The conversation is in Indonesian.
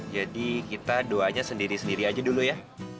jadi kita doanya sendiri sendiri aja dulu ya